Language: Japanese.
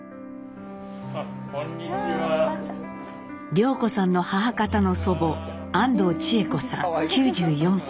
涼子さんの母方の祖母安藤智枝子さん９４歳。